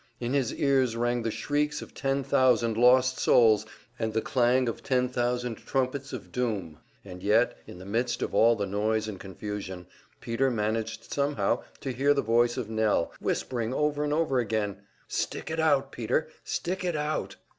In his ears rang the shrieks of ten thousand lost souls and the clang of ten thousand trumpets of doom; and yet, in the midst of all the noise and confusion, Peter managed somehow to hear the voice of Nell, whispering over and over again: "Stick it out, Peter; stick it out!"